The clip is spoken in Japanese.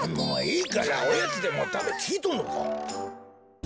もういいからおやつでもたべきいとんのか？